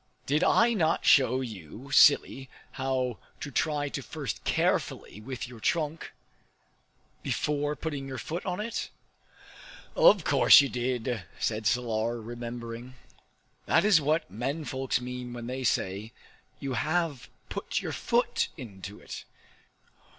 "Did I not show you, silly, how to try it first carefully, with your trunk, before putting your foot on it?" "Of course you did!" Salar said, remembering. "That is what men folks mean when they say, 'You have put your foot into it.'